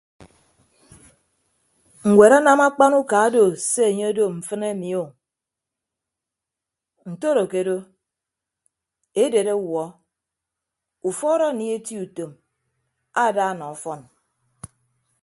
Ñwed anam akpan uka odo se anye odo mfịn ami o ntodo ke odo edet ọwuọ ufuọd anie eti utom ada nọ ọfọn.